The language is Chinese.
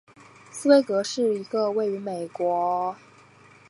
斯威格是一个位于美国阿拉巴马州兰道夫县的非建制地区。